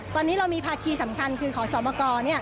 ตอนนี้เรามีภาคีสำคัญคือขอสอบมากร